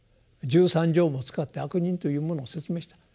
十三条も使って「悪人」というものを説明した。